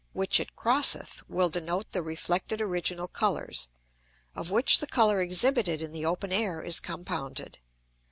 which it crosseth will denote the reflected original Colours, of which the Colour exhibited in the open Air is compounded.